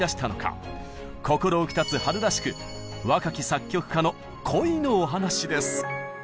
心浮き立つ春らしく「若き作曲家の恋のお話」です！